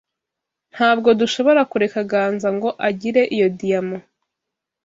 Ntabwo dushobora kureka Ganza ngo agire iyo diyama.